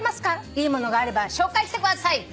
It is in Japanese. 「いいものがあれば紹介してください」